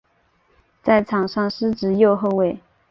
在场上司职右后卫。